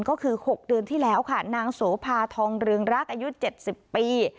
ก็คือ๖เดือนที่แล้วค่ะนางโสภาทองเรืองรักอายุ๗๐ปี